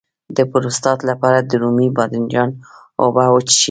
د پروستات لپاره د رومي بانجان اوبه وڅښئ